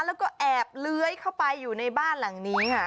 แล้วก็แอบเลื้อยเข้าไปอยู่ในบ้านหลังนี้ค่ะ